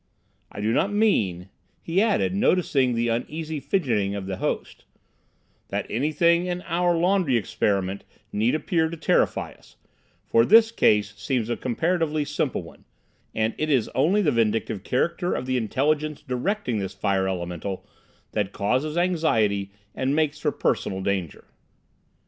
I do not mean," he added, noticing the uneasy fidgeting of his host, "that anything in our laundry experiment need appear to terrify us, for this case seems a comparatively simple one, and it is only the vindictive character of the intelligence directing this fire elemental that causes anxiety and makes for personal danger."